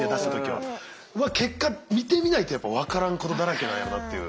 結果見てみないとやっぱ分からんことだらけなんやなっていう。